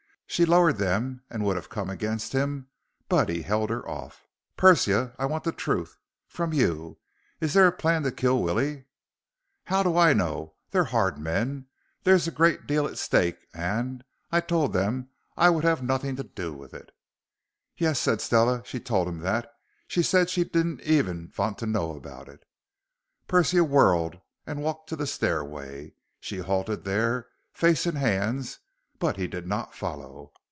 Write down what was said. She lowered them and would have come against him, but he held her off. "Persia, I want the truth. From you. Is there a plan to kill Willie?" "How do I know? They're hard men. There's a great deal at stake and I told them I would have nothing to do with it!" "Yes," Stella said. "She told them that. She said she didn't even vant to know about it." Persia whirled and walked to the stairway. She halted there, face in hands; but he did not follow.